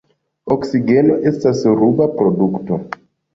Oksigeno estas ruba produkto.